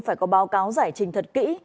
phải có báo cáo giải trình thật kỹ